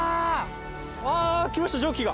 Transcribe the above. あっきました蒸気が。